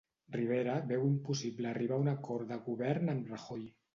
Rivera veu impossible arribar a un acord de govern amb Rajoy